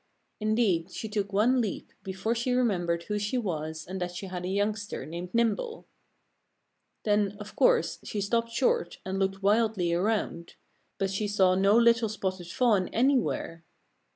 Indeed she took one leap before she remembered who she was and that she had a youngster named Nimble. Then, of course, she stopped short and looked wildly around. But she saw no little spotted fawn anywhere.